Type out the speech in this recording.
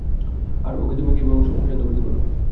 আর, ওকে তুমি কীভাবে অপছন্দ করতে পারো?